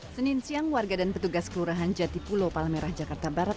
senin siang warga dan petugas kelurahan jati pulo palemerah jakarta barat